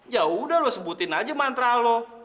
ya udah lo sebutin aja mantra lo